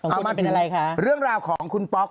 เอามาถึงเรื่องราวของคุณป๊อก